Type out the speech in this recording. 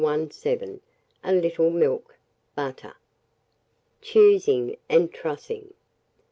417, a little milk, butter. Choosing and Trussing.